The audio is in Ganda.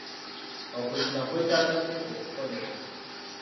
Okuzimba kwetaaga ssente okukolebwa.